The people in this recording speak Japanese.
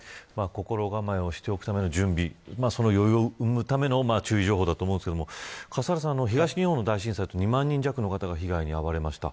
心構えをしておくための準備その余裕を生むための注意情報だと思いますが東日本の大震災は２万人弱の方が被害に遭われました。